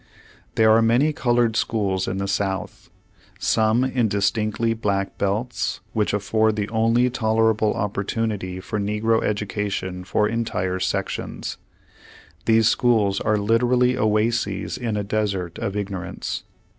There are many colored schools in the South, some in distinctly black belts, vv^hich afford the only tolerable opportunity for negro education for entire sections. These schools are literally oases in a desert of ignorance.'